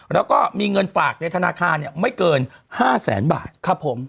แล้วก็มีเงินฝากในธนาคารไม่เกิน๕แสนบาทครับผม